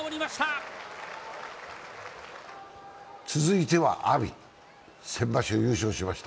続いては阿炎、先場所優勝しました。